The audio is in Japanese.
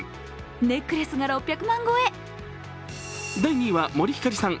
ネックレスが６００万超え！